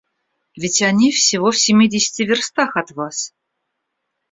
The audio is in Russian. Ведь они всего в семидесяти верстах от вас.